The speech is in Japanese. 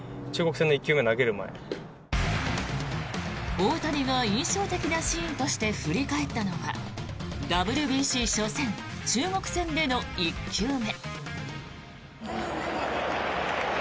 大谷が印象的なシーンとして振り返ったのはＷＢＣ初戦、中国戦での１球目。